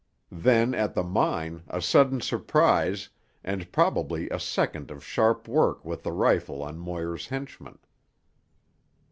Then at the mine, a sudden surprise, and probably a second of sharp work with the rifle on Moir's henchmen.